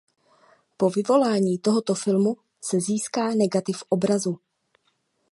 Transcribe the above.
Po vyvolání tohoto filmu se získá negativ obrazu.